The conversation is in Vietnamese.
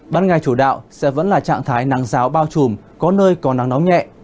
ban ngày chủ đạo sẽ vẫn là trạng thái nắng giáo bao trùm có nơi có nắng nóng nhẹ